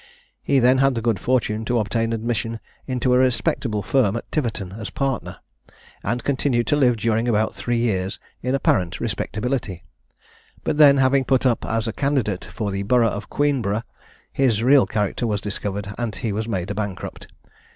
He then had the good fortune to obtain admission into a respectable firm at Tiverton as partner, and continued to live during about three years in apparent respectability; but then, having put up as a candidate for the borough of Queenborough, his real character was discovered, and he was made a bankrupt.